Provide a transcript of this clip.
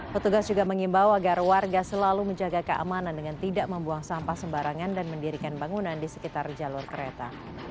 petugas juga mengimbau agar warga selalu menjaga keamanan dengan tidak membuang sampah sembarangan dan mendirikan bangunan di sekitar jalur kereta